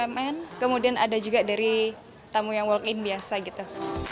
dari ini tamu bumn kemudian ada juga dari tamu yang walk in biasa gitu